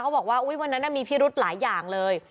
บอกว่าวันนั้นมีพิรุธหลายอย่างเลย